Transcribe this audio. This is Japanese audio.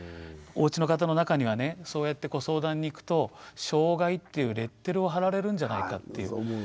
おうちの方の中にはねそうやってご相談に行くと障害っていうレッテルを貼られるんじゃないかっていう。